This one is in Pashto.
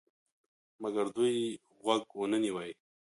مګر دوی غوږ ونه نیوی.